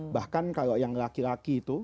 bahkan kalau yang laki laki itu